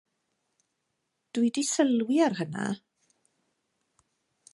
Dw i wedi sylwi ar hwnna.